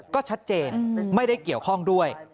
ก็ชัดเจนไม่ได้เกี่ยวข้องด้วย